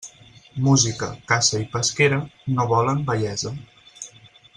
Música, caça i pesquera no volen vellesa.